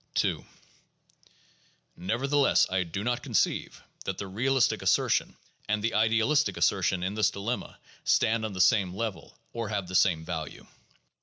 II Nevertheless, I do not conceive that the realistic assertion and the idealistic assertion in this dilemma stand on the same level, or have the same value.